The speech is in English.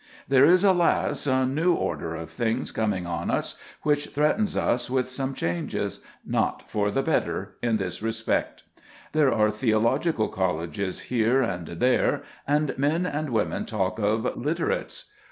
There is, alas! a new order of things coming on us which threatens us with some changes, not for the better, in this respect. There are theological colleges here and there, and men and women talk of "literates."